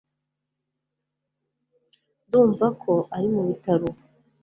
Ndumva ko ari mubitaro ubu